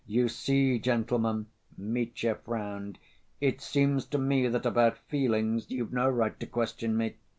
You see, gentlemen"—Mitya frowned—"it seems to me that about feelings you've no right to question me.